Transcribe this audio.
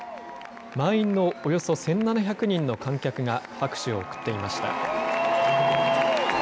満員のおよそ１７００人の観客が拍手を送っていました。